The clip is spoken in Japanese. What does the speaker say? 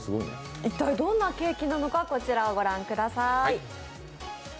一体どんなケーキなのかこちらをご覧ください。